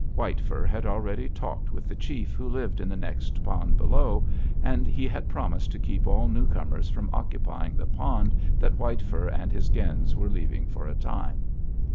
White Fur had already talked with the chief who lived in the next pond below, and he had promised to keep all newcomers from occupying the pond that White Fur and his gens were leaving for a time.